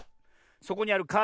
そこにあるカードをね